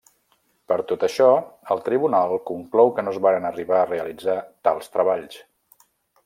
Per tot això, el Tribunal conclou que no es varen arribar a realitzar tals treballs.